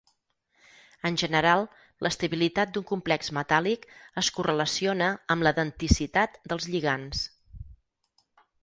En general, l'estabilitat d'un complex metàl·lic es correlaciona amb la denticitat dels lligands.